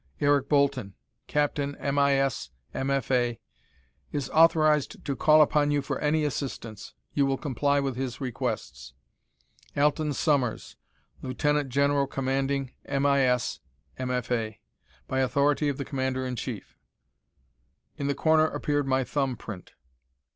Eric Bolton, Captain M.I.S., M.F.A. is authorized to call upon you for any assistance. You will comply with his requests. Alton Sommers, Lieut. General Commanding M.I.S., M.F.A. By authority of the Commander in Chief." In the corner appeared my thumb print.